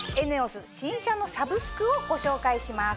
新車のサブスクをご紹介します。